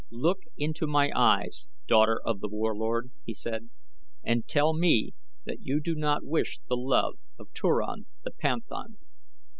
"Look into my eyes, daughter of The Warlord," he said, "and tell me that you do not wish the love of Turan, the panthan."